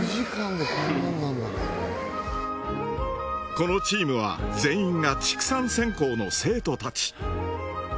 このチームは全員が畜産専攻の生徒たち。